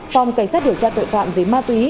phòng cảnh sát điều tra tội phạm về ma túy